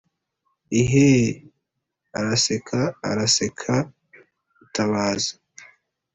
iheeee! araseka araseka mutabazi